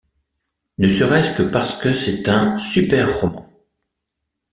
Ne serait-ce que parce que c’est un super roman.